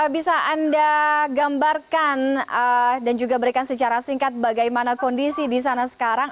bisa anda gambarkan dan juga berikan secara singkat bagaimana kondisi di sana sekarang